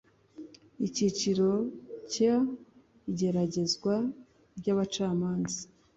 Icyiciro cya igeragezwa ry abacamanza